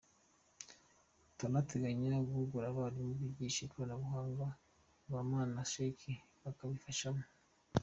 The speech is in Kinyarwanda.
Turanateganya guhugura abarimu bigisha Iyobokamana, ba Imam na ba Sheikh bakabibafashamo.